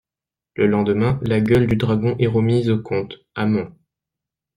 Le lendemain, la gueule du dragon est remise au comte, à Mons.